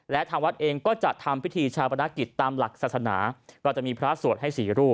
และทางวัดเองก็จะทำพิธีชาปนาคิดตามหลักศาสนา